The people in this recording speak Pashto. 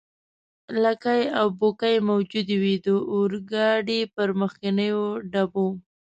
لکۍ او بوکۍ موجودې وې، د اورګاډي پر مخکنیو ډبو.